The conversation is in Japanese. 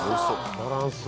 バランス。